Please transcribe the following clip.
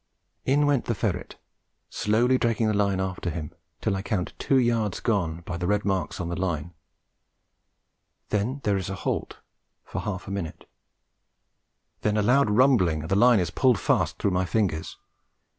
In went the ferret, slowly dragging the line after him till I count two yards gone by the red marks on the line; then there is a halt for half a minute, then a loud rumbling and the line is pulled fast through my fingers.